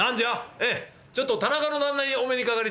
「ええちょっと田中の旦那にお目にかかりてえんで」。